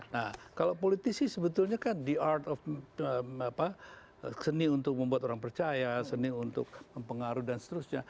nah kalau politisi sebetulnya kan the art of seni untuk membuat orang percaya seni untuk mempengaruhi dan seterusnya